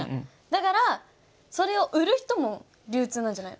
だからそれを売る人も流通なんじゃない？